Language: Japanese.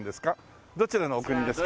どちらのお国ですか？